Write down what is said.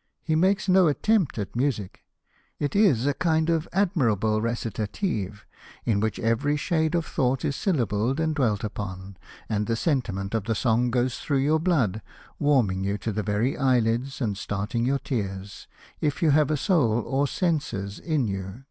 " He makes no attempt at music. It is a kind of admir able recitative, in which every shade of thought is syllabled and dwelt upon, and the sentiment of the song goes through your blood, warming you to the very eyeHds and starting your tears, if you have a soul or senses in you.